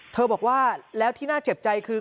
บอกว่าแล้วที่น่าเจ็บใจคือ